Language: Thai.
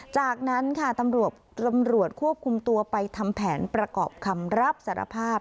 จากนั้นค่ะตำรวจควบคุมตัวไปทำแผนประกอบคำรับสารภาพ